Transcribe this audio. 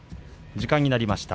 時間になりました。